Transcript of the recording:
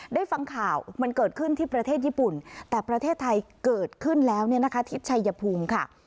ได้ฟังข่าวมันเกิดขึ้นที่ประเทศญี่ปุ่นแต่ประเทศไทยเกิดขึ้นแล้วเนี่ยนะคะที่ชัยภูมิค่ะ